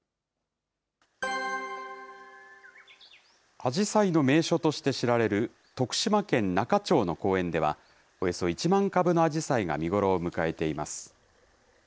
アジサイの名所として知られる、徳島県那賀町の公園では、およそ１万株のアジサイが見頃を迎えています。